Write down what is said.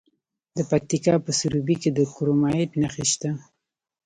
د پکتیکا په سروبي کې د کرومایټ نښې شته.